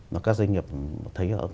và các doanh nghiệp thấy họ